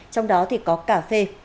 trong đó thì có cà phê